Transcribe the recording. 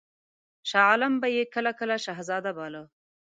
شاه عالم به یې کله کله شهزاده باله.